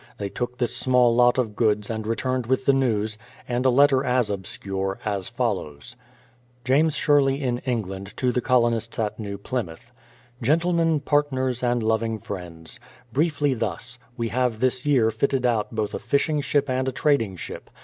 They took this small lot of goods and returned with the news, and a letter as obscure, as follows: James Sherley in England to the Colonists at New Plymouth: Gentlemen, Partners, and loving Friends, Briefly thus : we have this year fitted out both a fishing ship and a trading ship.